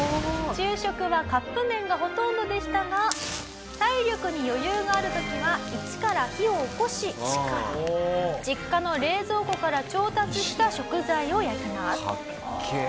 昼食はカップ麺がほとんどでしたが体力に余裕がある時は一から火を起こし実家の冷蔵庫から調達した食材を焼きます。かっけえ！